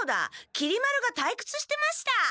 きり丸がたいくつしてました。